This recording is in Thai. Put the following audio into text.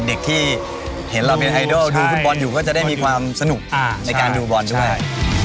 เด็กที่เห็นเราเป็นไอดอลดูฟุตบอลอยู่ก็จะได้มีความสนุกในการดูบอลด้วย